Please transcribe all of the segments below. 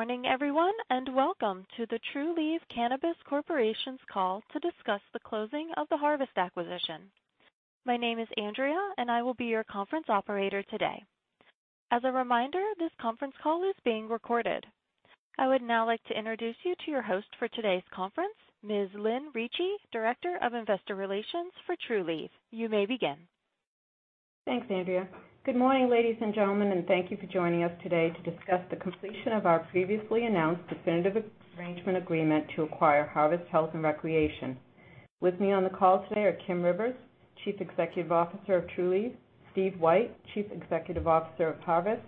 Good morning everyone, and welcome to the Trulieve Cannabis Corp.'s call to discuss the closing of the Harvest acquisition. My name is Andrea, and I will be your conference operator today. As a reminder, this conference call is being recorded. I would now like to introduce you to your host for today's conference, Ms. Lynn Ricci, Director of Investor Relations for Trulieve. You may begin. Thanks, Andrea. Good morning, ladies and gentlemen, and thank you for joining us today to discuss the completion of our previously announced definitive arrangement agreement to acquire Harvest Health & Recreation. With me on the call today are Kim Rivers, Chief Executive Officer of Trulieve, Steve White, Chief Executive Officer of Harvest,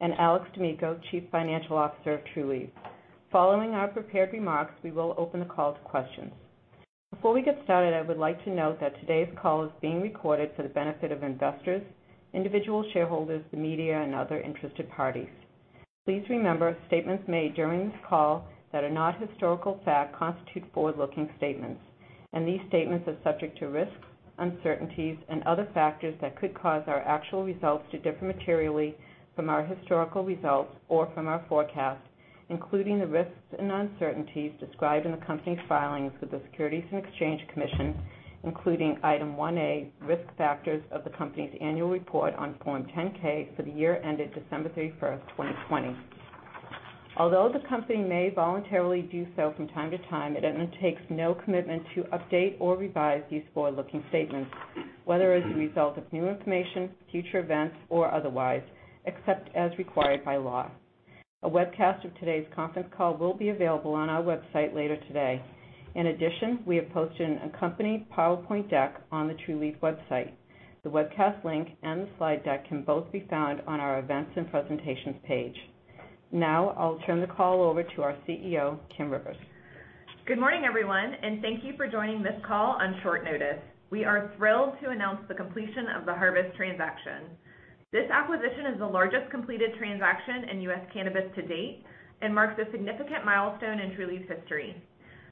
and Alex D'Amico, Chief Financial Officer of Trulieve. Following our prepared remarks, we will open the call to questions. Before we get started, I would like to note that today's call is being recorded for the benefit of investors, individual shareholders, the media, and other interested parties. Please remember statements made during this call that are not historical fact constitute forward-looking statements. These statements are subject to risks, uncertainties, and other factors that could cause our actual results to differ materially from our historical results or from our forecasts, including the risks and uncertainties described in the company's filings with the Securities and Exchange Commission, including Item 1A: Risk Factors of the company's annual report on Form 10-K for the year ended December 31st, 2020. Although the company may voluntarily do so from time to time, it undertakes no commitment to update or revise these forward-looking statements, whether as a result of new information, future events, or otherwise, except as required by law. A webcast of today's conference call will be available on our website later today. In addition, we have posted an accompanied PowerPoint deck on the Trulieve website. The webcast link and the slide deck can both be found on our Events and Presentations page. Now, I'll turn the call over to our CEO, Kim Rivers. Good morning, everyone. Thank you for joining this call on short notice. We are thrilled to announce the completion of the Harvest Health & Recreation transaction. This acquisition is the largest completed transaction in U.S. cannabis to date, and marks a significant milestone in Trulieve's history.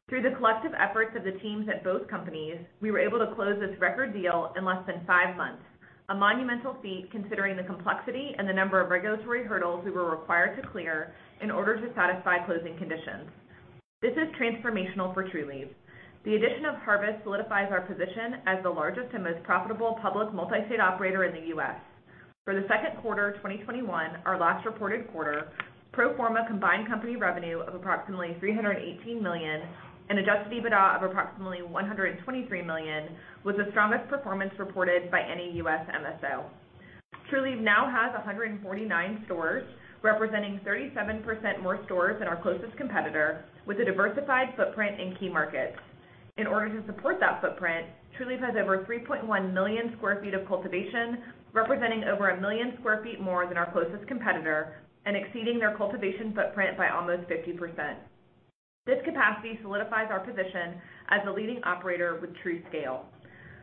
Through the collective efforts of the teams at both companies, we were able to close this record deal in less than five months, a monumental feat considering the complexity and the number of regulatory hurdles we were required to clear in order to satisfy closing conditions. This is transformational for Trulieve. The addition of Harvest Health & Recreation solidifies our position as the largest and most profitable public multi-state operator in the U.S. For the second quarter 2021, our last reported quarter, pro forma combined company revenue of approximately $318 million, and adjusted EBITDA of approximately $123 million, was the strongest performance reported by any U.S. MSO. Trulieve now has 149 stores, representing 37% more stores than our closest competitor with a diversified footprint in key markets. In order to support that footprint, Trulieve has over 3.1 million square feet of cultivation, representing over 1 million square feet more than our closest competitor and exceeding their cultivation footprint by almost 50%. This capacity solidifies our position as a leading operator with true scale.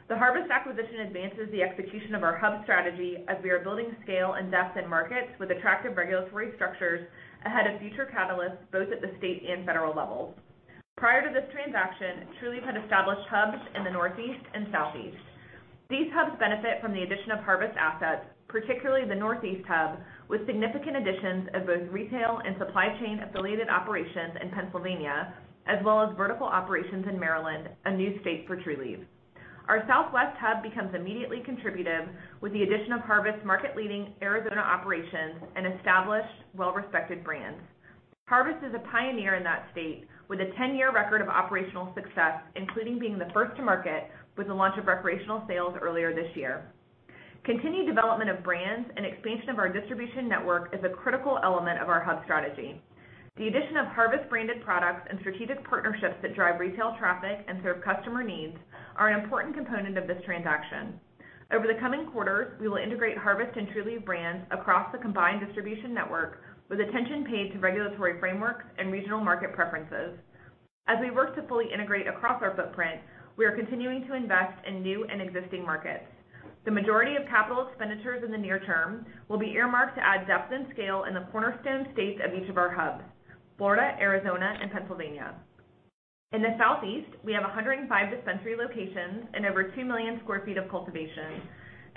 The Harvest Health & Recreation acquisition advances the execution of our hub strategy as we are building scale and depth in markets with attractive regulatory structures ahead of future catalysts, both at the state and federal levels. Prior to this transaction, Trulieve had established hubs in the Northeast and Southeast. These hubs benefit from the addition of Harvest Health & Recreation assets, particularly the Northeast hub, with significant additions of both retail and supply chain-affiliated operations in Pennsylvania, as well as vertical operations in Maryland, a new state for Trulieve. Our Southwest hub becomes immediately contributive with the addition of Harvest's market-leading Arizona operations and established well-respected brands. Harvest is a pioneer in that state with a 10-year record of operational success, including being the first to market with the launch of recreational sales earlier this year. Continued development of brands and expansion of our distribution network is a critical element of our hub strategy. The addition of Harvest-branded products and strategic partnerships that drive retail traffic and serve customer needs are an important component of this transaction. Over the coming quarters, we will integrate Harvest Health & Recreation and Trulieve brands across the combined distribution network with attention paid to regulatory frameworks and regional market preferences. As we work to fully integrate across our footprint, we are continuing to invest in new and existing markets. The majority of capital expenditures in the near term will be earmarked to add depth and scale in the cornerstone states of each of our hubs, Florida, Arizona, and Pennsylvania. In the Southeast, we have 105 dispensary locations and over 2 million sq ft of cultivation.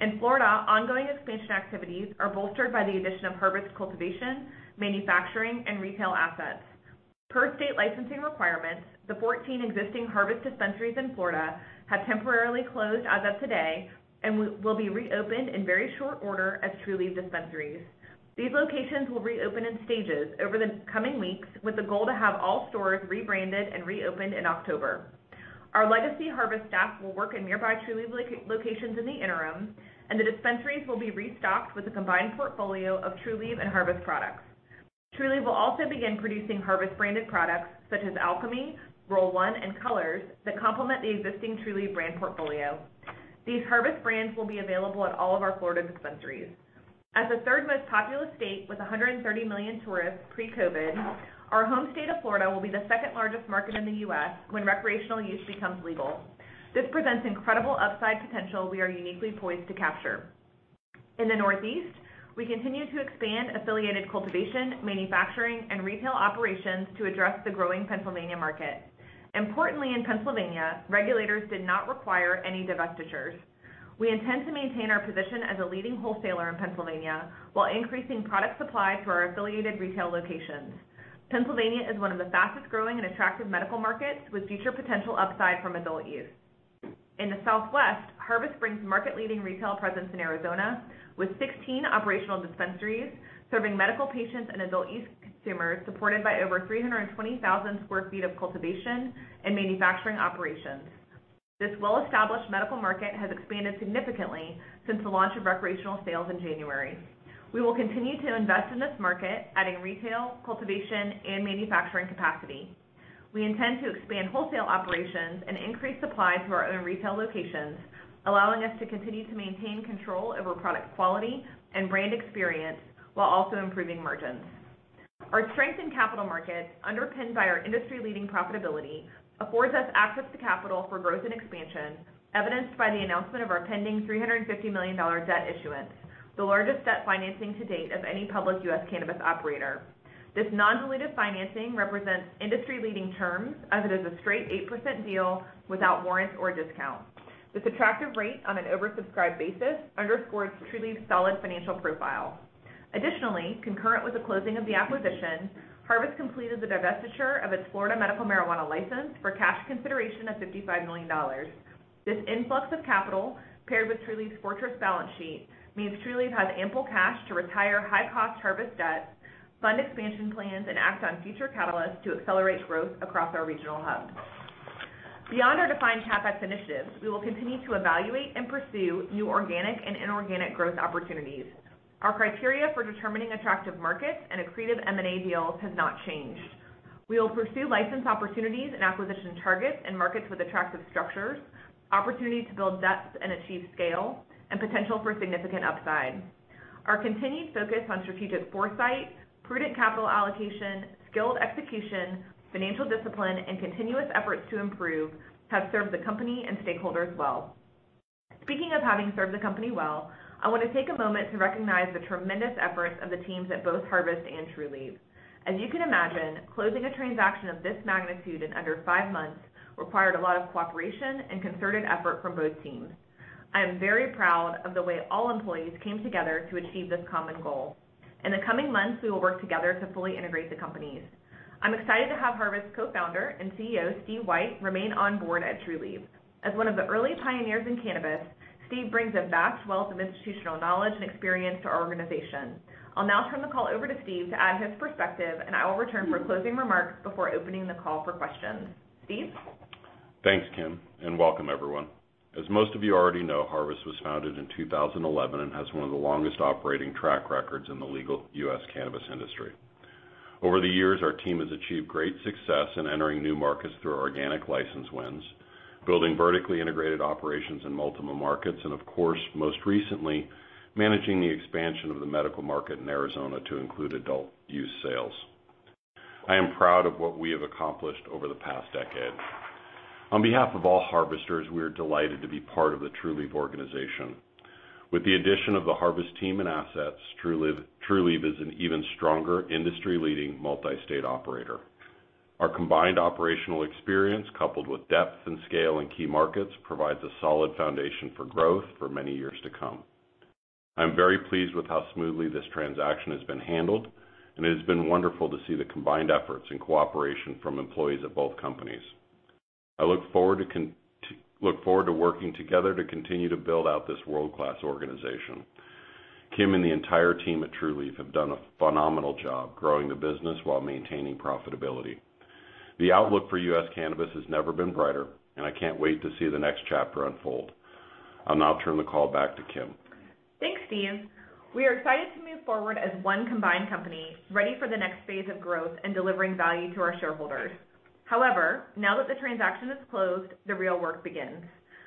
In Florida, ongoing expansion activities are bolstered by the addition of Harvest Health & Recreation cultivation, manufacturing, and retail assets. Per state licensing requirements, the 14 existing Harvest dispensaries in Florida have temporarily closed as of today and will be reopened in very short order as Trulieve dispensaries. These locations will reopen in stages over the coming weeks with the goal to have all stores rebranded and reopened in October. Our legacy Harvest Health & Recreation staff will work in nearby Trulieve locations in the interim, and the dispensaries will be restocked with a combined portfolio of Trulieve and Harvest products. Trulieve will also begin producing Harvest-branded products such as Alchemy Pure, Roll One, and Co2lors that complement the existing Trulieve brand portfolio. These Harvest Health & Recreation brands will be available at all of our Florida dispensaries. As the third most populous state with 130 million tourists pre-COVID, our home state of Florida will be the second-largest market in the U.S. when recreational use becomes legal. This presents incredible upside potential we are uniquely poised to capture. In the Northeast, we continue to expand affiliated cultivation, manufacturing, and retail operations to address the growing Pennsylvania market. Importantly, in Pennsylvania, regulators did not require any divestitures. We intend to maintain our position as a leading wholesaler in Pennsylvania while increasing product supply to our affiliated retail locations. Pennsylvania is one of the fastest-growing and attractive medical markets, with future potential upside from adult use. In the Southwest, Harvest brings market-leading retail presence in Arizona, with 16 operational dispensaries serving medical patients and adult use consumers, supported by over 320,000 sq ft of cultivation and manufacturing operations. This well-established medical market has expanded significantly since the launch of recreational sales in January. We will continue to invest in this market, adding retail, cultivation, and manufacturing capacity. We intend to expand wholesale operations and increase supply to our own retail locations, allowing us to continue to maintain control over product quality and brand experience while also improving margins. Our strength in capital markets, underpinned by our industry-leading profitability, affords us access to capital for growth and expansion, evidenced by the announcement of our pending $350 million debt issuance, the largest debt financing to date of any public U.S. cannabis operator. This non-dilutive financing represents industry-leading terms, as it is a straight 8% deal without warrants or discounts. This attractive rate on an oversubscribed basis underscores Trulieve's solid financial profile. Additionally, concurrent with the closing of the acquisition, Harvest completed the divestiture of its Florida medical marijuana license for cash consideration of $55 million. This influx of capital, paired with Trulieve's fortress balance sheet, means Trulieve has ample cash to retire high-cost Harvest debt, fund expansion plans, and act on future catalysts to accelerate growth across our regional hubs. Beyond our defined CapEx initiatives, we will continue to evaluate and pursue new organic and inorganic growth opportunities. Our criteria for determining attractive markets and accretive M&A deals has not changed. We will pursue license opportunities and acquisition targets in markets with attractive structures, opportunities to build depth and achieve scale, and potential for significant upside. Our continued focus on strategic foresight, prudent capital allocation, skilled execution, financial discipline, and continuous efforts to improve have served the company and stakeholders well. Speaking of having served the company well, I want to take a moment to recognize the tremendous efforts of the teams at both Harvest Health & Recreation and Trulieve. As you can imagine, closing a transaction of this magnitude in under five months required a lot of cooperation and concerted effort from both teams. I am very proud of the way all employees came together to achieve this common goal. In the coming months, we will work together to fully integrate the companies. I'm excited to have Harvest co-founder and CEO, Steve White, remain on board at Trulieve. As one of the early pioneers in cannabis, Steve brings a vast wealth of institutional knowledge and experience to our organization. I'll now turn the call over to Steve to add his perspective, and I will return for closing remarks before opening the call for questions. Steve? Thanks, Kim, and welcome everyone. As most of you already know, Harvest Health & Recreation was founded in 2011 and has one of the longest operating track records in the legal U.S. cannabis industry. Over the years, our team has achieved great success in entering new markets through organic license wins, building vertically integrated operations in multiple markets, and of course, most recently, managing the expansion of the medical market in Arizona to include adult use sales. I am proud of what we have accomplished over the past decade. On behalf of all Harvesters, we are delighted to be part of the Trulieve organization. With the addition of the Harvest Health & Recreation team and assets, Trulieve is an even stronger industry-leading multi-state operator. Our combined operational experience, coupled with depth and scale in key markets, provides a solid foundation for growth for many years to come. I'm very pleased with how smoothly this transaction has been handled, and it has been wonderful to see the combined efforts and cooperation from employees of both companies. I look forward to working together to continue to build out this world-class organization. Kim and the entire team at Trulieve have done a phenomenal job growing the business while maintaining profitability. The outlook for U.S. cannabis has never been brighter, and I can't wait to see the next chapter unfold. I'll now turn the call back to Kim. Thanks, Steve. We are excited to move forward as one combined company, ready for the next phase of growth and delivering value to our shareholders. Now that the transaction is closed, the real work begins.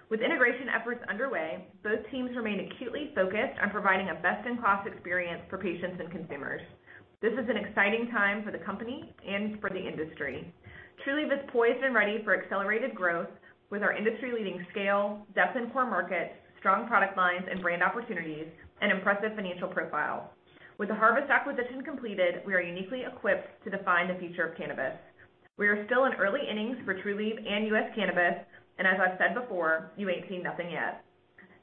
With integration efforts underway, both teams remain acutely focused on providing a best-in-class experience for patients and consumers. This is an exciting time for the company and for the industry. Trulieve is poised and ready for accelerated growth with our industry-leading scale, depth in core markets, strong product lines and brand opportunities, and impressive financial profile. With the Harvest Health & Recreation acquisition completed, we are uniquely equipped to define the future of cannabis. We are still in early innings for Trulieve and U.S. cannabis, as I've said before, you ain't seen nothing yet.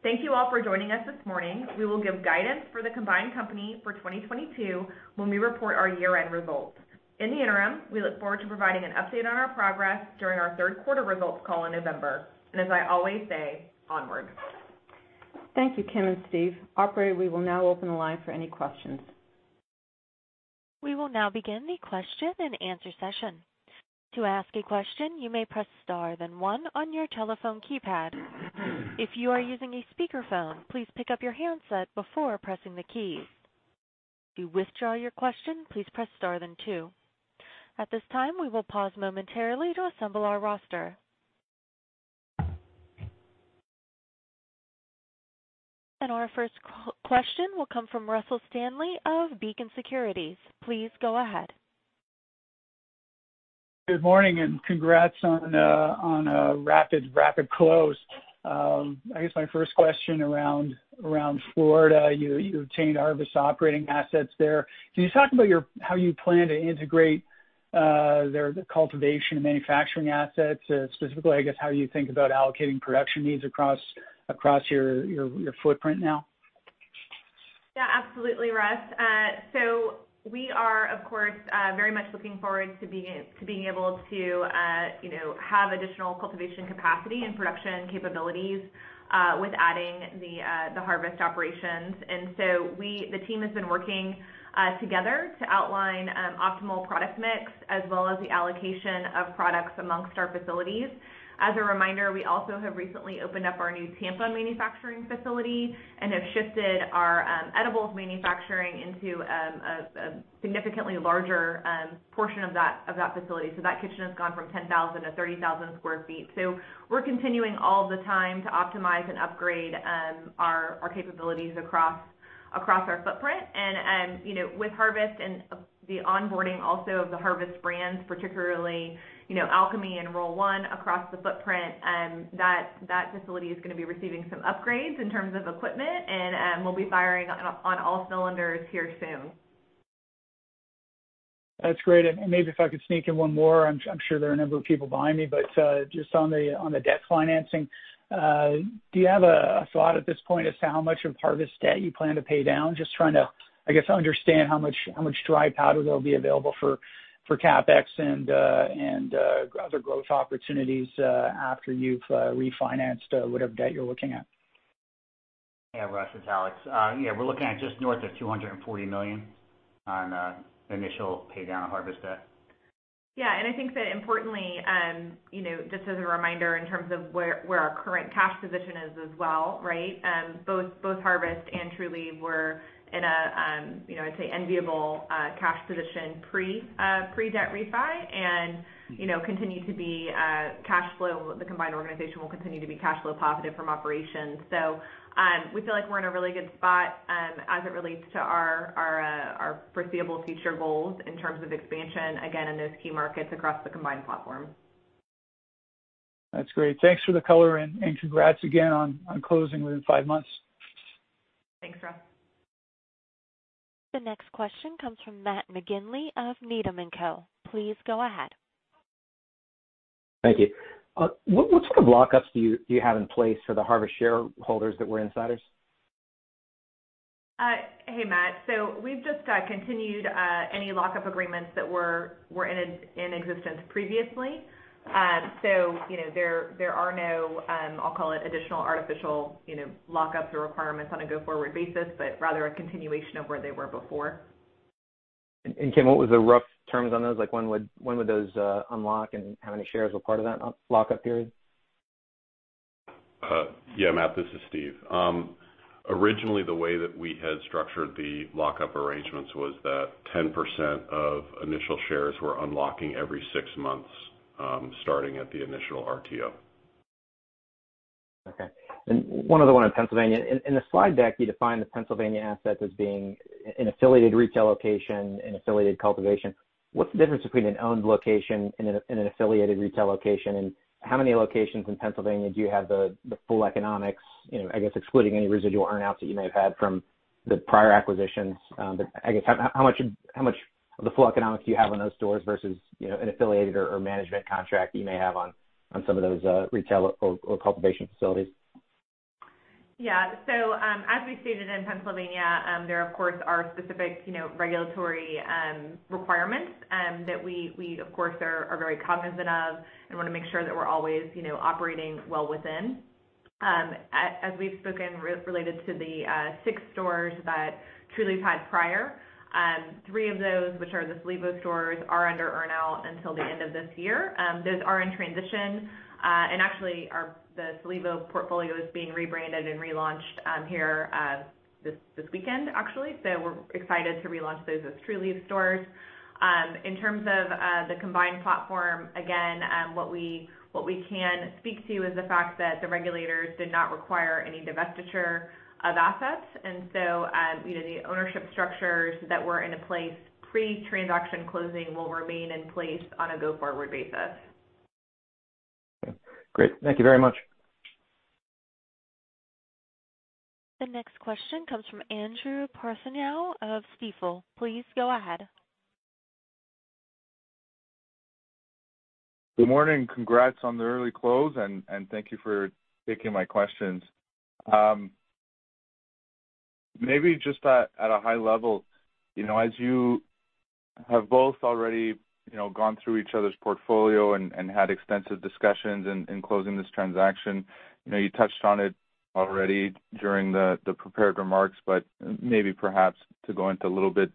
Thank you all for joining us this morning. We will give guidance for the combined company for 2022 when we report our year-end results. In the interim, we look forward to providing an update on our progress during our third quarter results call in November. As I always say, onwards. Thank you, Kim and Steve. Operator, we will now open the line for any questions. We will now begin the question and answer session. To ask a question, you may press star, then one on your telephone keypad. If you are using a speakerphone, please pick up your handset before pressing the key. To withdraw your question, please press star then two. At this time, we will pause momentarily to assemble our roster. Our first question will come from Russell Stanley of Beacon Securities. Please go ahead. Good morning, congrats on a rapid close. I guess my first question around Florida, you obtained Harvest Health & Recreation operating assets there. Can you talk about how you plan to integrate the cultivation and manufacturing assets? Specifically, I guess how you think about allocating production needs across your footprint now? Yeah, absolutely, Russell. We are, of course, very much looking forward to being able to have additional cultivation capacity and production capabilities with adding the Harvest Health & Recreation operations. The team has been working together to outline optimal product mix as well as the allocation of products amongst our facilities. As a reminder, we also have recently opened up our new Tampa manufacturing facility and have shifted our edibles manufacturing into a significantly larger portion of that facility. That kitchen has gone from 10,000 to 30,000 square feet. We're continuing all the time to optimize and upgrade our capabilities across our footprint. With Harvest and the onboarding also of the Harvest brands, particularly Alchemy Pure and Roll One across the footprint, that facility is going to be receiving some upgrades in terms of equipment, and we'll be firing on all cylinders here soon. That's great. Maybe if I could sneak in one more, I'm sure there are a number of people behind me, but just on the debt financing, do you have a thought at this point as to how much of Harvest Health & Recreation debt you plan to pay down? Just trying to, I guess, understand how much dry powder there'll be available for CapEx and other growth opportunities after you've refinanced whatever debt you're looking at. Yeah, Russell, it's Alex. We're looking at just north of $240 million on initial pay down of Harvest Health & Recreation debt. Yeah, I think that importantly, just as a reminder in terms of where our current cash position is as well, right? Both Harvest Health & Recreation and Trulieve were in a, I'd say, enviable cash position pre-debt refi and continue to be cash flow. The combined organization will continue to be cash flow positive from operations. We feel like we're in a really good spot as it relates to our foreseeable future goals in terms of expansion, again, in those key markets across the combined platform. That's great. Thanks for the color, and congrats again on closing within five months. Thanks, Russell. The next question comes from Matt McGinley of Needham & Co. Please go ahead. Thank you. What sort of lock-ups do you have in place for the Harvest Health & Recreation shareholders that were insiders? Hey, Matt. We've just continued any lock-up agreements that were in existence previously. There are no, I'll call it, additional artificial lock-ups or requirements on a go-forward basis, but rather a continuation of where they were before. Kim, what was the rough terms on those? When would those unlock, and how many shares were part of that lock-up period? Yeah, Matt, this is Steve. Originally, the way that we had structured the lock-up arrangements was that 10% of initial shares were unlocking every six months, starting at the initial RTO. Okay. One other one on Pennsylvania. In the slide deck, you define the Pennsylvania assets as being an affiliated retail location, an affiliated cultivation. What's the difference between an owned location and an affiliated retail location, and how many locations in Pennsylvania do you have the full economics, I guess excluding any residual earn-outs that you may have had from the prior acquisitions. I guess, how much of the full economics do you have on those stores versus an affiliated or management contract you may have on some of those retail or cultivation facilities? As we stated in Pennsylvania, there of course are specific regulatory requirements that we, of course, are very cognizant of and want to make sure that we're always operating well within. As we've spoken related to the six stores that Trulieve had prior, three of those, which are the Solevo stores, are under earn-out until the end of this year. Those are in transition. Actually, the Solevo portfolio is being rebranded and relaunched here this weekend, actually. We're excited to relaunch those as Trulieve stores. In terms of the combined platform, again, what we can speak to is the fact that the regulators did not require any divestiture of assets. The ownership structures that were into place pre-transaction closing will remain in place on a go-forward basis. Okay, great. Thank you very much. The next question comes from Andrew Partheniou of Stifel. Please go ahead. Good morning. Congrats on the early close, and thank you for taking my questions. Maybe just at a high level, as you have both already gone through each other's portfolio and had extensive discussions in closing this transaction, you touched on it already during the prepared remarks, but maybe perhaps to go into a little bit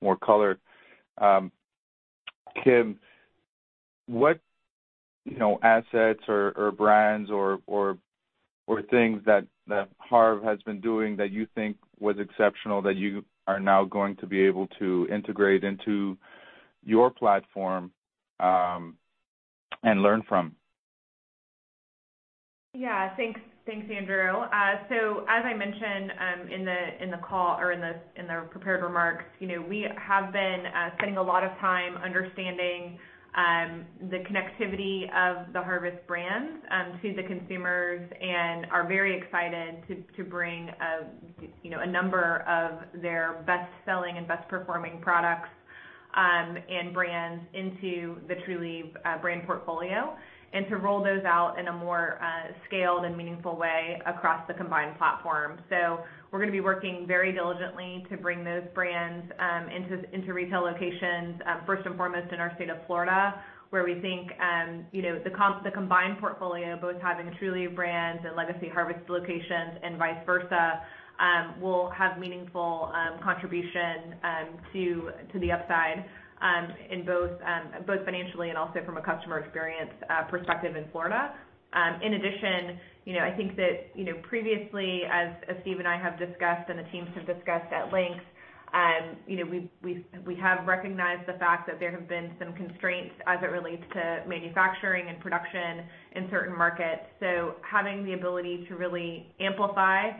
more color. Kim, what assets or brands or things that Harvest Health & Recreation has been doing that you think was exceptional that you are now going to be able to integrate into your platform and learn from? Yeah. Thanks, Andrew. As I mentioned in the call or in the prepared remarks, we have been spending a lot of time understanding the connectivity of the Harvest Health & Recreation brands to the consumers and are very excited to bring a number of their best-selling and best-performing products and brands into the Trulieve brand portfolio, and to roll those out in a more scaled and meaningful way across the combined platform. We're going to be working very diligently to bring those brands into retail locations, first and foremost in our state of Florida, where we think the combined portfolio, both having Trulieve brands and legacy Harvest locations and vice versa, will have meaningful contribution to the upside in both financially and also from a customer experience perspective in Florida. In addition, I think that previously, as Steve and I have discussed and the teams have discussed at length, we have recognized the fact that there have been some constraints as it relates to manufacturing and production in certain markets. Having the ability to really amplify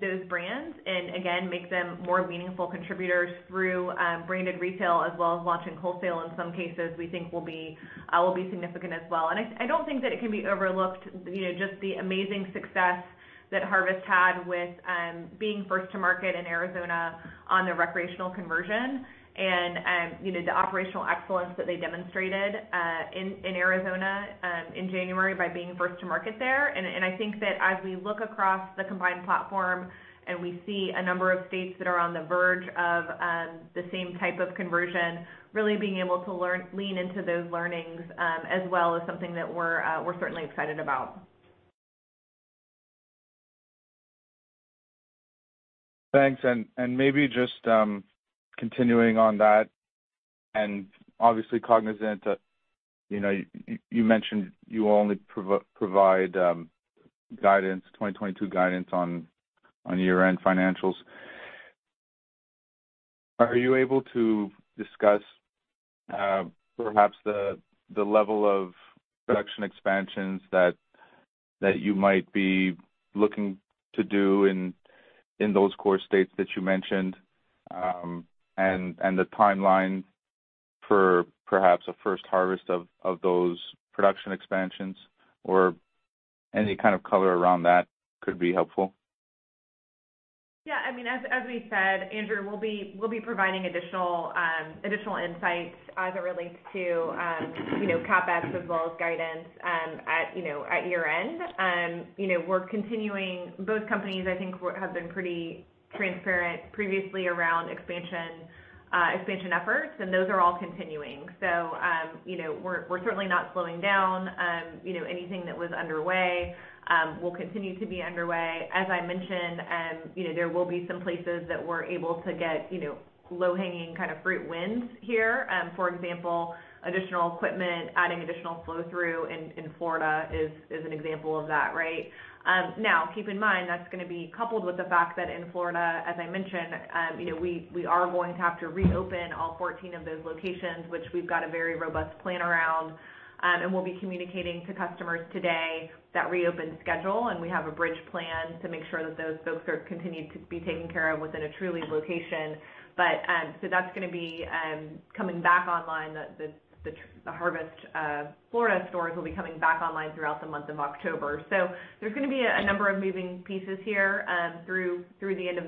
those brands and again, make them more meaningful contributors through branded retail as well as launching wholesale in some cases, we think will be significant as well. I don't think that it can be overlooked, just the amazing success that Harvest Health & Recreation had with being first to market in Arizona on the recreational conversion, and the operational excellence that they demonstrated in Arizona in January by being first to market there. I think that as we look across the combined platform and we see a number of states that are on the verge of the same type of conversion, really being able to lean into those learnings as well is something that we're certainly excited about. Thanks. Maybe just continuing on that, and obviously cognizant that you mentioned you only provide 2022 guidance on year-end financials. Are you able to discuss perhaps the level of production expansions that you might be looking to do in those core states that you mentioned, and the timeline for perhaps a first harvest of those production expansions? Any kind of color around that could be helpful. Yeah, as we said, Andrew, we'll be providing additional insights as it relates to CapEx as well as guidance at year-end. We're continuing, both companies, I think, have been pretty transparent previously around expansion efforts. Those are all continuing. We're certainly not slowing down. Anything that was underway will continue to be underway. As I mentioned, there will be some places that we're able to get low-hanging fruit wins here. For example, additional equipment, adding additional flow-through in Florida is an example of that, right? Keep in mind, that's going to be coupled with the fact that in Florida, as I mentioned, we are going to have to reopen all 14 of those locations, which we've got a very robust plan around. We'll be communicating to customers today that reopen schedule, and we have a bridge plan to make sure that those folks are continued to be taken care of within a Trulieve location. That's going to be coming back online, the Harvest Florida stores will be coming back online throughout the month of October. There's going to be a number of moving pieces here through the end of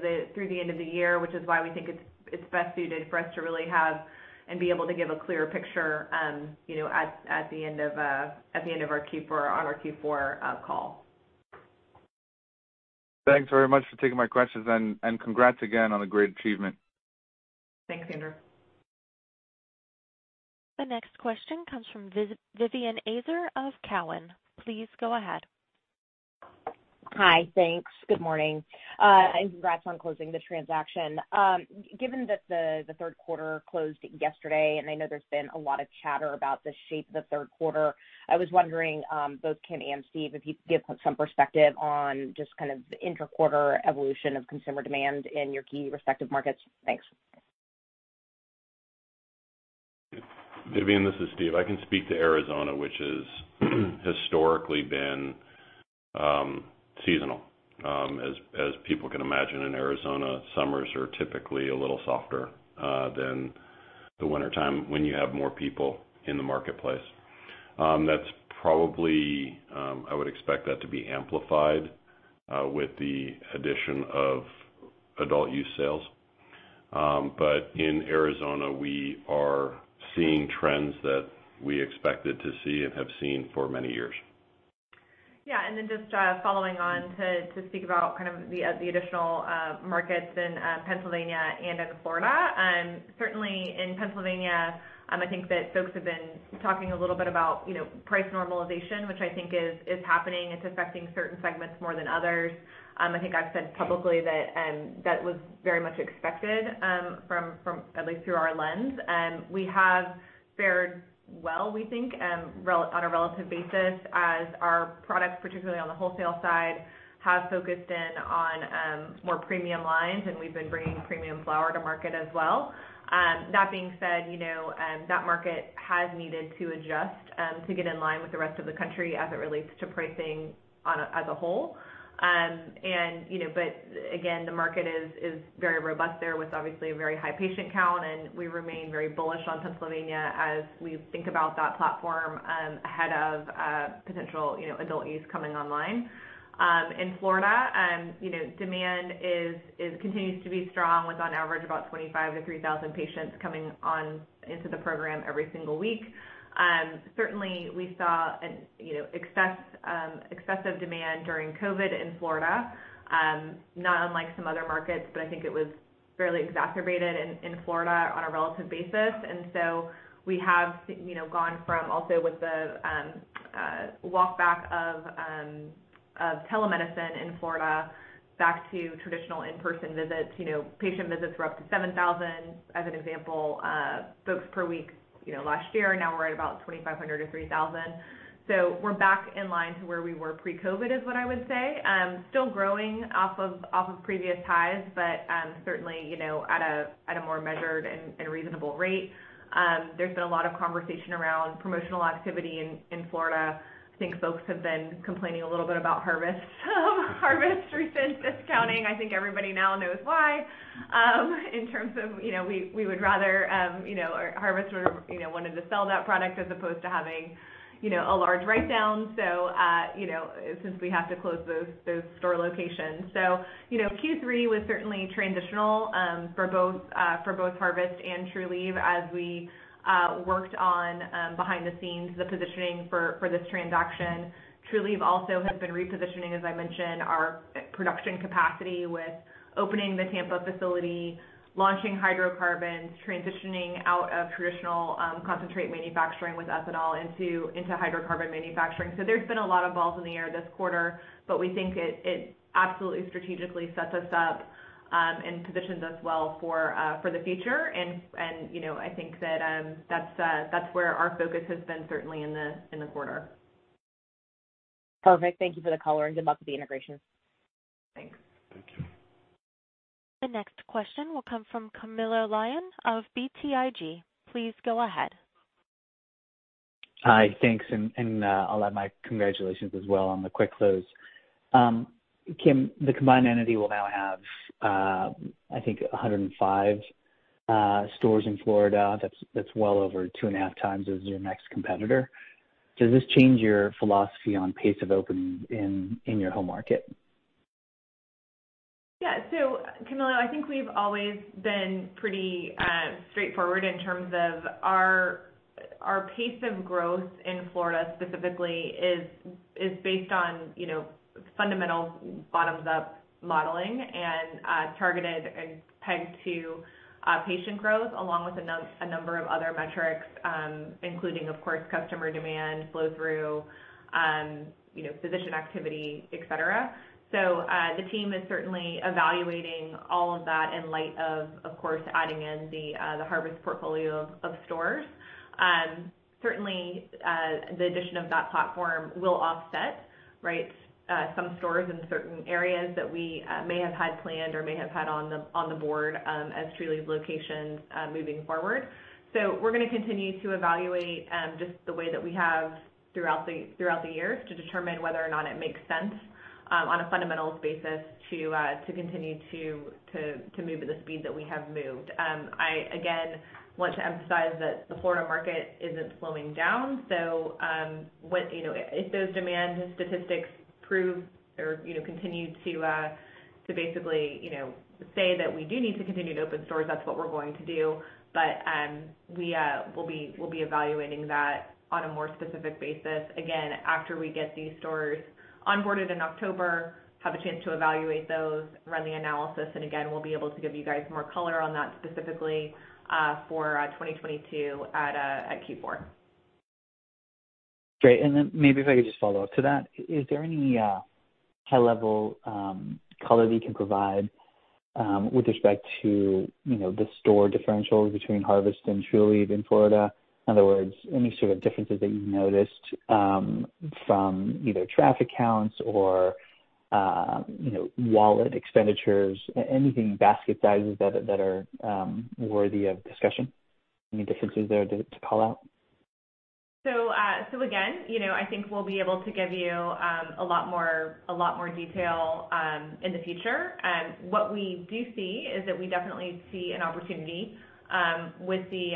the year, which is why we think it's best suited for us to really have and be able to give a clear picture at the end of our Q4 call. Thanks very much for taking my questions, and congrats again on the great achievement. Thanks, Andrew. The next question comes from Vivien Azer of Cowen. Please go ahead. Hi. Thanks. Good morning. Congrats on closing the transaction. Given that the third quarter closed yesterday, and I know there's been a lot of chatter about the shape of the third quarter, I was wondering, both Kim and Steve, if you could give some perspective on just kind of the inter-quarter evolution of consumer demand in your key respective markets. Thanks. Vivien, this is Steve. I can speak to Arizona, which has historically been seasonal. As people can imagine, in Arizona, summers are typically a little softer than the wintertime when you have more people in the marketplace. That's probably, I would expect that to be amplified with the addition of adult use sales. In Arizona, we are seeing trends that we expected to see and have seen for many years. Yeah. Just following on to speak about the additional markets in Pennsylvania and in Florida. Certainly in Pennsylvania, I think that folks have been talking a little bit about price normalization, which I think is happening. It's affecting certain segments more than others. I think I've said publicly that was very much expected from, at least through our lens. We have fared well, we think, on a relative basis as our products, particularly on the wholesale side, have focused in on more premium lines, and we've been bringing premium flower to market as well. That being said, that market has needed to adjust to get in line with the rest of the country as it relates to pricing as a whole. Again, the market is very robust there with obviously a very high patient count, and we remain very bullish on Pennsylvania as we think about that platform ahead of potential adult use coming online. In Florida, demand continues to be strong with on average about 2500-3,000 patients coming on into the program every single week. Certainly we saw excessive demand during COVID in Florida, not unlike some other markets, but I think it was fairly exacerbated in Florida on a relative basis. We have gone from also with the walk back of telemedicine in Florida back to traditional in-person visits. Patient visits were up to 7,000, as an example, folks per week last year. Now we're at about 2,500-3,000. We're back in line to where we were pre-COVID, is what I would say. Still growing off of previous highs, certainly, at a more measured and reasonable rate. There's been a lot of conversation around promotional activity in Florida. I think folks have been complaining a little bit about Harvest recent discounting. I think everybody now knows why. In terms of, we would rather Harvest wanted to sell that product as opposed to having a large write-down, since we have to close those store locations. Q3 was certainly transitional, for both Harvest and Trulieve as we worked on, behind the scenes, the positioning for this transaction. Trulieve also has been repositioning, as I mentioned, our production capacity with opening the Tampa facility, launching hydrocarbons, transitioning out of traditional concentrate manufacturing with ethanol into hydrocarbon manufacturing. There's been a lot of balls in the air this quarter, but we think it absolutely strategically sets us up, and positions us well for the future. I think that's where our focus has been, certainly in the quarter. Perfect. Thank you for the color and good luck with the integration. Thanks. Thank you. The next question will come from Camilo Lyon of BTIG. Please go ahead. Hi, thanks. I'll add my congratulations as well on the quick close. Kim, the combined entity will now have, I think, 105 stores in Florida. That's well over two and a half times as your next competitor. Does this change your philosophy on pace of opening in your home market? Camilo, I think we've always been pretty straightforward in terms of our pace of growth in Florida specifically is based on fundamental bottoms-up modeling and targeted and pegged to patient growth, along with a number of other metrics, including, of course, customer demand, flow through, physician activity, et cetera. The team is certainly evaluating all of that in light of course, adding in the Harvest Health & Recreation portfolio of stores. Certainly, the addition of that platform will offset some stores in certain areas that we may have had planned or may have had on the board as Trulieve locations moving forward. We're going to continue to evaluate, just the way that we have throughout the years, to determine whether or not it makes sense on a fundamentals basis to continue to move at the speed that we have moved. I, again, want to emphasize that the Florida market isn't slowing down. If those demand statistics prove or continue to basically say that we do need to continue to open stores, that's what we're going to do. We'll be evaluating that on a more specific basis, again, after we get these stores onboarded in October, have a chance to evaluate those, run the analysis, and again, we'll be able to give you guys more color on that specifically, for 2022 at Q4. Great. Maybe if I could just follow up to that. Is there any high-level color that you can provide with respect to the store differentials between Harvest Health & Recreation and Trulieve in Florida? In other words, any sort of differences that you've noticed from either traffic counts or wallet expenditures, anything, basket sizes that are worthy of discussion? Any differences there to call out? Again, I think we'll be able to give you a lot more detail in the future. What we do see is that we definitely see an opportunity with the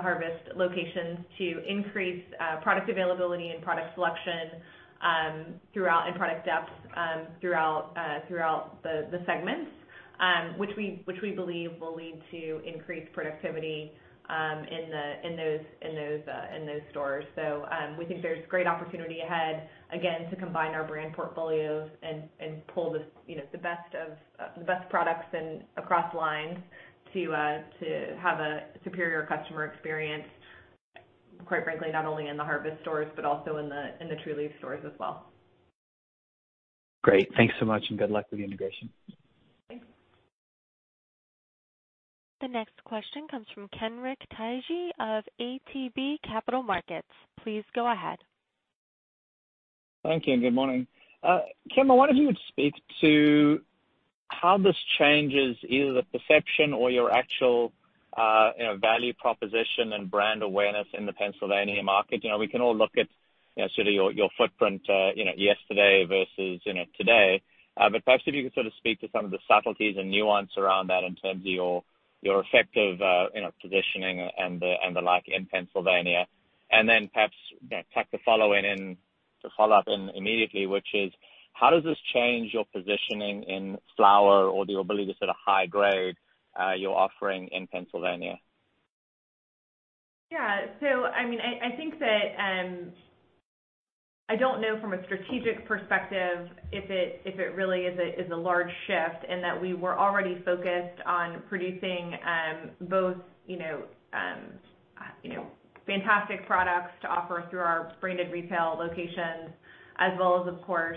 Harvest locations to increase product availability and product selection and product depth throughout the segments, which we believe will lead to increased productivity in those stores. We think there's great opportunity ahead, again, to combine our brand portfolios and pull the best products and across lines to have a superior customer experience, quite frankly, not only in the Harvest Health & Recreation stores, but also in the Trulieve stores as well. Great. Thanks so much, and good luck with the integration. Thanks. The next question comes from Kenric Tyghe of ATB Capital Markets. Please go ahead. Thank you, and good morning. Kim, I wonder if you would speak to how this changes either the perception or your actual value proposition and brand awareness in the Pennsylvania market. We can all look at sort of your footprint yesterday versus today. Perhaps if you could sort of speak to some of the subtleties and nuance around that in terms of your effective positioning and the like in Pennsylvania. Then perhaps tack the follow-in, to follow up in immediately, which is, how does this change your positioning in flower or your ability to sort of high grade your offering in Pennsylvania? I think that, I don't know from a strategic perspective if it really is a large shift in that we were already focused on producing both fantastic products to offer through our branded retail locations, as well as, of course,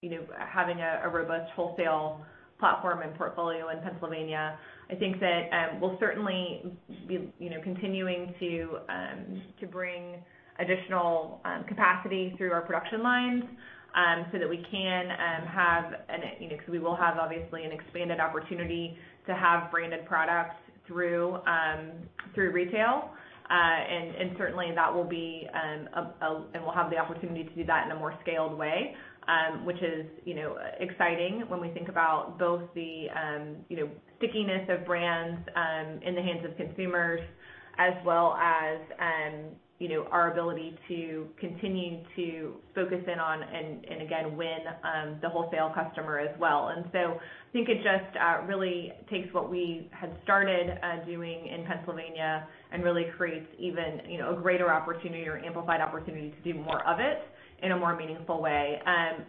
having a robust wholesale platform and portfolio in Pennsylvania. I think that we'll certainly be continuing to bring additional capacity through our production lines so that we can have an expanded opportunity to have branded products through retail. And certainly, we'll have the opportunity to do that in a more scaled way, which is exciting when we think about both the stickiness of brands in the hands of consumers as well as our ability to continue to focus in on and, again, win the wholesale customer as well. I think it just really takes what we had started doing in Pennsylvania and really creates even a greater opportunity or amplified opportunity to do more of it in a more meaningful way.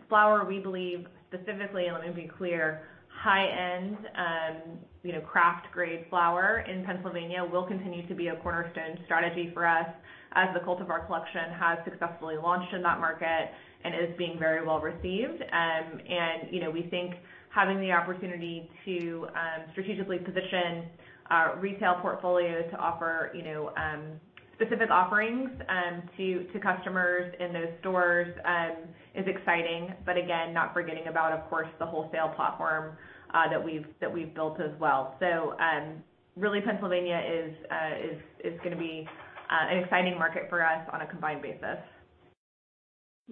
Flower, we believe, specifically, and let me be clear, high-end, craft-grade flower in Pennsylvania will continue to be a cornerstone strategy for us as the Cultivar Collection has successfully launched in that market and is being very well received. We think having the opportunity to strategically position our retail portfolio to offer specific offerings to customers in those stores is exciting. Again, not forgetting about, of course, the wholesale platform that we've built as well. Really, Pennsylvania is going to be an exciting market for us on a combined basis.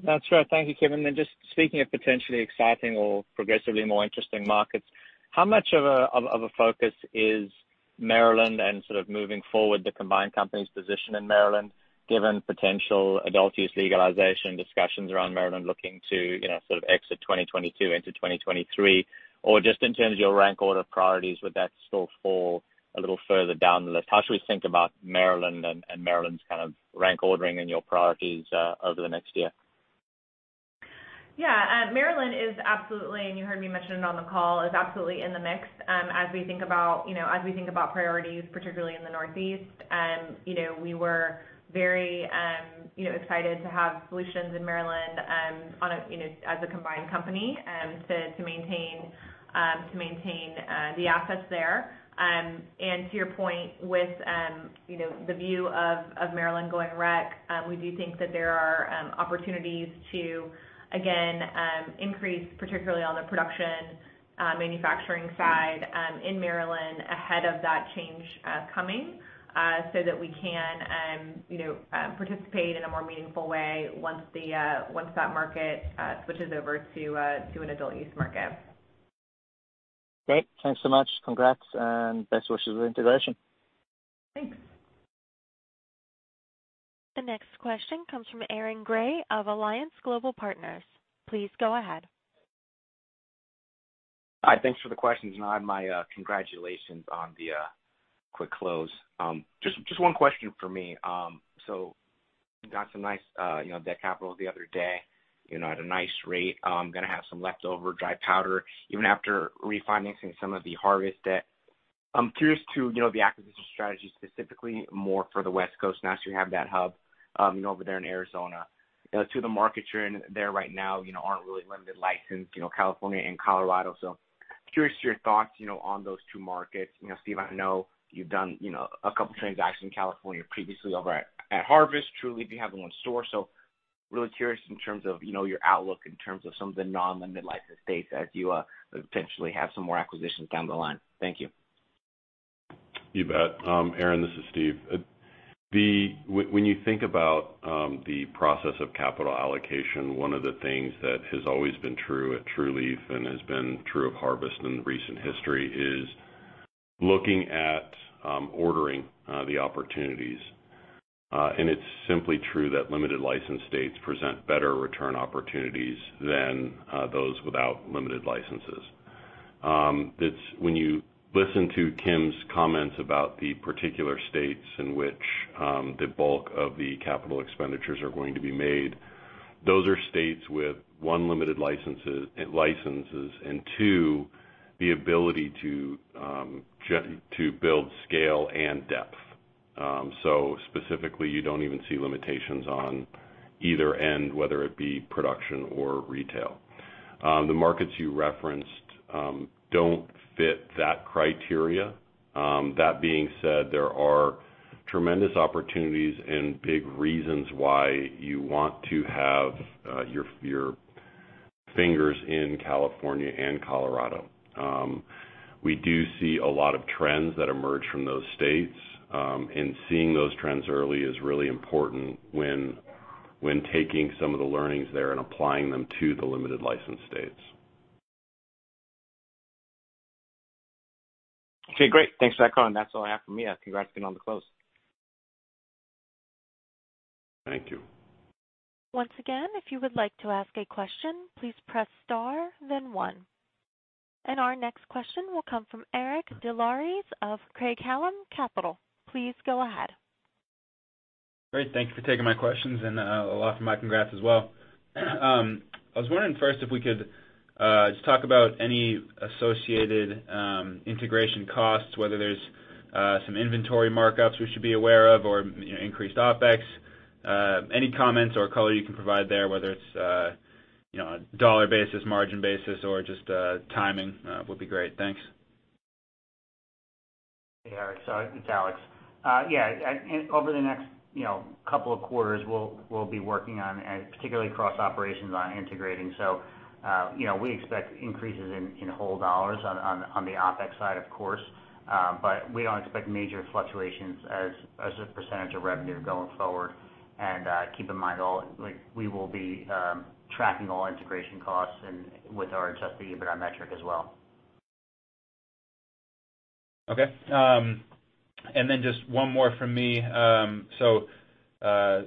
That's right. Thank you, Kim. Just speaking of potentially exciting or progressively more interesting markets, how much of a focus is Maryland and sort of moving forward the combined company's position in Maryland, given potential adult use legalization discussions around Maryland looking to sort of exit 2022 into 2023? Just in terms of your rank order priorities, would that still fall a little further down the list? How should we think about Maryland and Maryland's kind of rank ordering in your priorities over the next year? Yeah. Maryland is absolutely, and you heard me mention it on the call, is absolutely in the mix as we think about priorities, particularly in the Northeast. We were very excited to have solutions in Maryland as a combined company to maintain the assets there. To your point with the view of Maryland going rec, we do think that there are opportunities to, again, increase, particularly on the production, manufacturing side in Maryland ahead of that change coming, so that we can participate in a more meaningful way once that market switches over to an adult use market. Great. Thanks so much. Congrats and best wishes with integration. Thanks. The next question comes from Aaron Grey of Alliance Global Partners. Please go ahead. Hi. Thanks for the questions, and my congratulations on the quick close. Just one question from me. You got some nice debt capital the other day at a nice rate, going to have some leftover dry powder even after refinancing some of the Harvest Health & Recreation debt. I'm curious to the acquisition strategy, specifically more for the West Coast now, so you have that hub over there in Arizona. Two of the markets you're in there right now aren't really limited license, California and Colorado. Curious your thoughts on those two markets. Steve, I know you've done a couple transactions in California previously over at Harvest Health & Recreation. Trulieve, you have them in store. Really curious in terms of your outlook in terms of some of the non-limited license states as you potentially have some more acquisitions down the line. Thank you. You bet. Aaron Grey, this is Steve White. When you think about the process of capital allocation, one of the things that has always been true at Trulieve and has been true of Harvest Health & Recreation in recent history is looking at ordering the opportunities. It's simply true that limited license states present better return opportunities than those without limited licenses. When you listen to Kim's comments about the particular states in which the bulk of the capital expenditures are going to be made, those are states with, one, limited licenses, and two, the ability to build scale and depth. Specifically, you don't even see limitations on either end, whether it be production or retail. The markets you referenced don't fit that criteria. That being said, there are tremendous opportunities and big reasons why you want to have your fingers in California and Colorado. We do see a lot of trends that emerge from those states, and seeing those trends early is really important when taking some of the learnings there and applying them to the limited license states. Okay, great. Thanks for that call. That's all I have for me. Congrats again on the close. Thank you. Once again, if you would like to ask a question, please press star then one. Our next question will come from Eric Des Lauriers of Craig-Hallum Capital Group. Please go ahead. Great. Thank you for taking my questions, and I'll offer my congrats as well. I was wondering first if we could just talk about any associated integration costs, whether there's some inventory markups we should be aware of or increased OpEx. Any comments or color you can provide there, whether it's on a dollar basis, margin basis, or just timing, would be great. Thanks. Hey, Eric. It's Alex. Yeah. Over the next couple of quarters, we'll be working on, particularly cross-operations, on integrating. We expect increases in whole dollars on the OpEx side, of course, but we don't expect major fluctuations as a percentage of revenue going forward. Keep in mind, we will be tracking all integration costs and with our adjusted EBITDA metric as well. Just one more from me. Good color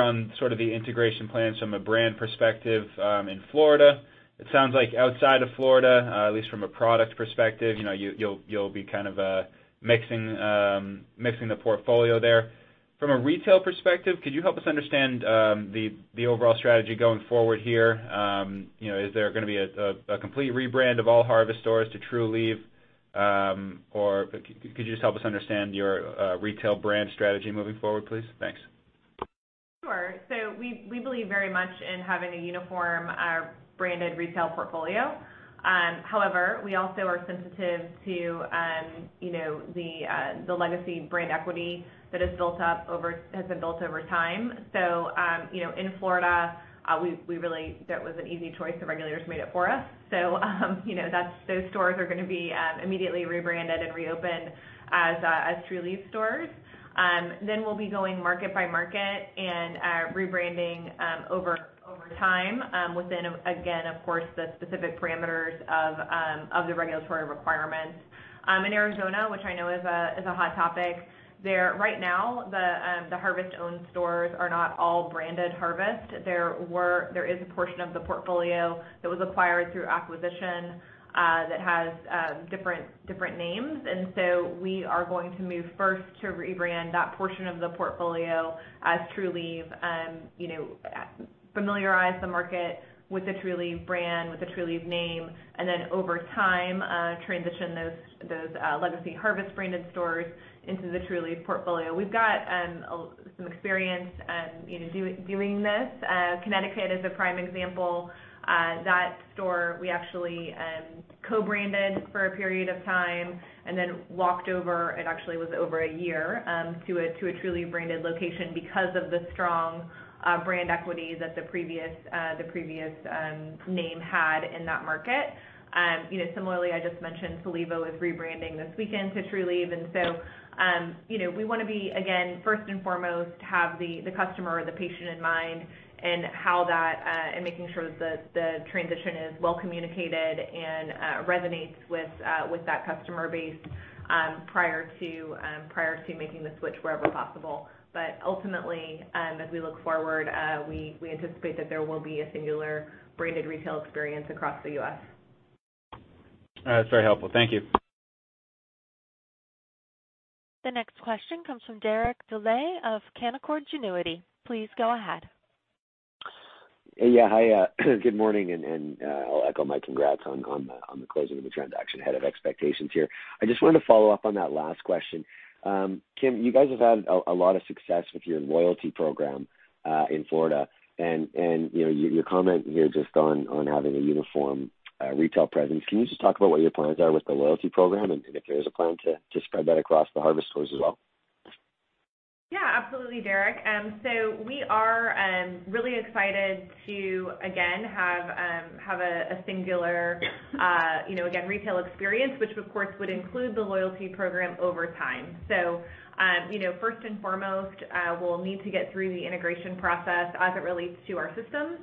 on sort of the integration plans from a brand perspective in Florida. It sounds like outside of Florida, at least from a product perspective, you'll be kind of mixing the portfolio there. From a retail perspective, could you help us understand the overall strategy going forward here? Is there going to be a complete rebrand of all Harvest Health & Recreation stores to Trulieve? Could you just help us understand your retail brand strategy moving forward, please? Thanks. Sure. We believe very much in having a uniform branded retail portfolio. However, we also are sensitive to the legacy brand equity that has been built over time. In Florida, that was an easy choice. The regulators made it for us. Those stores are going to be immediately rebranded and reopened as Trulieve stores. We'll be going market by market and rebranding over time within, again, of course, the specific parameters of the regulatory requirements. In Arizona, which I know is a hot topic, right now the Harvest-owned stores are not all branded Harvest. There is a portion of the portfolio that was acquired through acquisition that has different names. We are going to move first to rebrand that portion of the portfolio as Trulieve and familiarize the market with the Trulieve brand, with the Trulieve name, and then over time transition those legacy Harvest-branded stores into the Trulieve portfolio. We've got some experience doing this. Connecticut is a prime example. That store we actually co-branded for a period of time and then walked over, it actually was over a year, to a Trulieve-branded location because of the strong brand equity that the previous name had in that market. Similarly, I just mentioned, Solevo is rebranding this weekend to Trulieve. We want to, again, first and foremost, have the customer or the patient in mind and making sure that the transition is well communicated and resonates with that customer base prior to making the switch wherever possible. Ultimately, as we look forward, we anticipate that there will be a singular branded retail experience across the U.S. That's very helpful. Thank you. The next question comes from Derek Dley of Canaccord Genuity. Please go ahead. Yeah. Hi, good morning. I'll echo my congrats on the closing of the transaction. Ahead of expectations here. I just wanted to follow up on that last question. Kim, you guys have had a lot of success with your loyalty program in Florida and your comment here just on having a uniform retail presence. Can you just talk about what your plans are with the loyalty program and if there is a plan to spread that across the Harvest Health & Recreation stores as well? Absolutely, Derek. We are really excited to, again, have a singular retail experience, which of course would include the loyalty program over time. First and foremost, we'll need to get through the integration process as it relates to our systems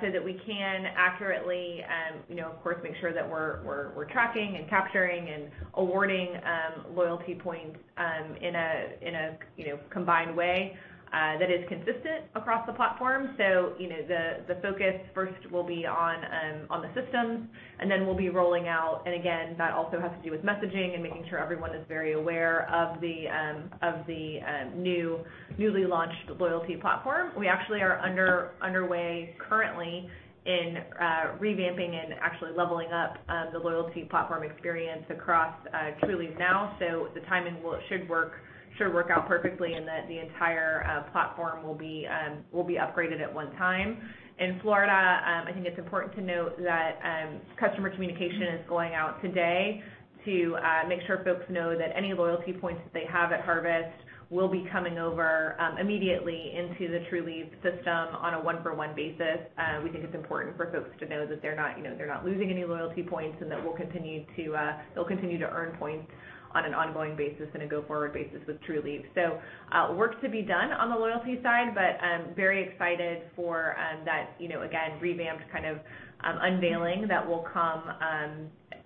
so that we can accurately, of course, make sure that we're tracking and capturing and awarding loyalty points in a combined way that is consistent across the platform. The focus first will be on the systems, then we'll be rolling out. Again, that also has to do with messaging and making sure everyone is very aware of the newly launched loyalty platform. We actually are underway currently in revamping and actually leveling up the loyalty platform experience across Trulieve now. The timing should work out perfectly in that the entire platform will be upgraded at one time. In Florida, I think it's important to note that customer communication is going out today to make sure folks know that any loyalty points that they have at Harvest will be coming over immediately into the Trulieve system on a one-for-one basis. We think it's important for folks to know that they're not losing any loyalty points and that they'll continue to earn points on an ongoing basis and a go-forward basis with Trulieve. Work to be done on the loyalty side, but very excited for that, again, revamped kind of unveiling that will come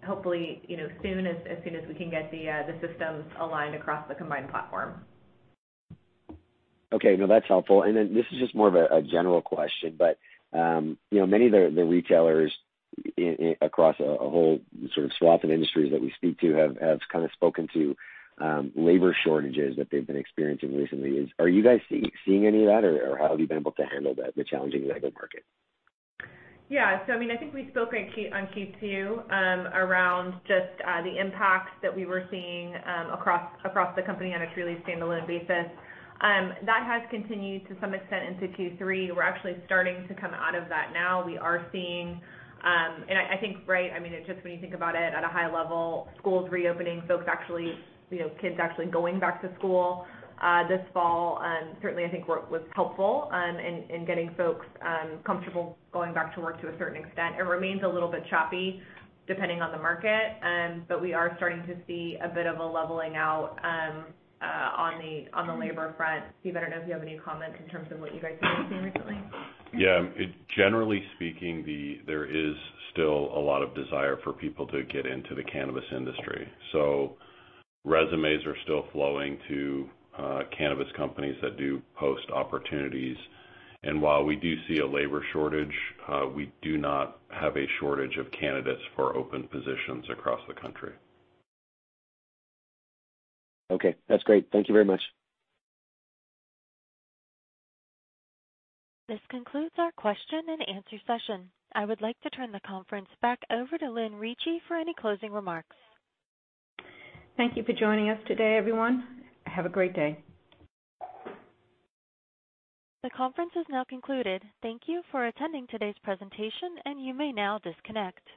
hopefully as soon as we can get the systems aligned across the combined platform. Okay. No, that's helpful. This is just more of a general question, but many of the retailers across a whole sort of swath of industries that we speak to have kind of spoken to labor shortages that they've been experiencing recently. Are you guys seeing any of that, or how have you been able to handle the challenges in that market? Yeah. I think we spoke on Q2 around just the impacts that we were seeing across the company on a Trulieve standalone basis. That has continued to some extent into Q3. We're actually starting to come out of that now. We are seeing, and I think, right, just when you think about it at a high level, schools reopening, kids actually going back to school this fall, certainly I think was helpful in getting folks comfortable going back to work to a certain extent. It remains a little bit choppy depending on the market, but we are starting to see a bit of a leveling out on the labor front. Steve, I don't know if you have any comments in terms of what you guys have been seeing recently. Generally speaking, there is still a lot of desire for people to get into the cannabis industry. Resumes are still flowing to cannabis companies that do post opportunities. While we do see a labor shortage, we do not have a shortage of candidates for open positions across the country. Okay. That's great. Thank you very much. This concludes our question and answer session. I would like to turn the conference back over to Lynn Ricci for any closing remarks. Thank you for joining us today, everyone. Have a great day. The conference is now concluded. Thank you for attending today's presentation, and you may now disconnect.